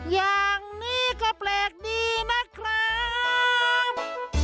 อย่างนี้ก็แปลกดีนะครับ